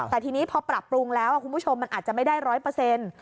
แต่ทีนี้พอปรับปรุงแล้วคุณผู้ชมมันอาจจะไม่ได้ร้อยเปอร์เซ็นต์